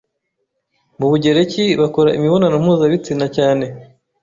Mu Bugereki bakora imibonano mpuzabitsina cyane